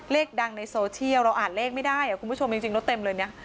เลขดังในโซเชียลเราอ่านเลขไม่ได้คุณผู้ชมจริงแล้วเต็มเลยเนี่ย